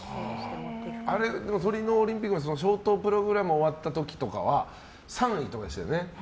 トリノオリンピックのショートプログラムが終わった時は３位とかでしたよね。